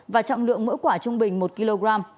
và trọng lượng mỗi quả trung bình một kg